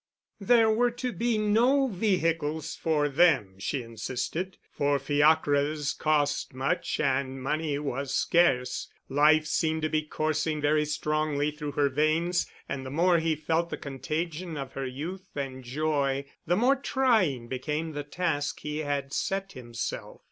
There were to be no vehicles for them, she insisted, for fiacres cost much and money was scarce. Life seemed to be coursing very strongly through her veins, and the more he felt the contagion of her youth and joy, the more trying became the task he had set himself.